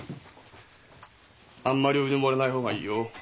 あんまりうぬぼれない方がいいよ。